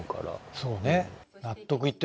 そうね。